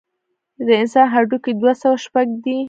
د انسان هډوکي دوه سوه شپږ دي.